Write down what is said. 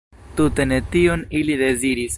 Tute ne tion ili deziris.